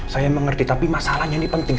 saya mengerti tapi masalahnya ini penting